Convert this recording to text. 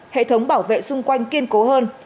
hệ thống bảo vệ xung quanh kiên cố hơn